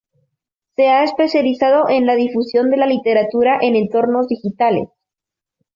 Se ha especializado en la difusión de la literatura en entornos digitales.